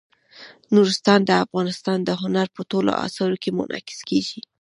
نورستان د افغانستان د هنر په ټولو اثارو کې منعکس کېږي.